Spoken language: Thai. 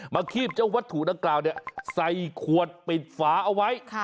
มาคีบเจ้าวัตถุด้านกลางใส่ควดปิดฝ้าเอาไว้